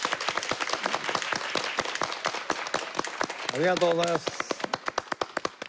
ありがとうございます。